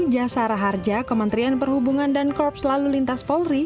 jasara harja kementerian perhubungan dan korps lalu lintas polri